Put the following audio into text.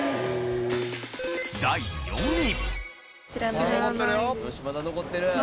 第４位。